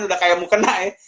udah kayak mau kena ya